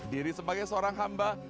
diri sebagai seorang hamba